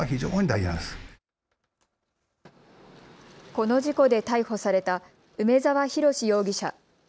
この事故で逮捕された梅澤洋容疑者。